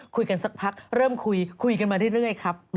สักพักเริ่มคุยคุยกันมาเรื่อยครับ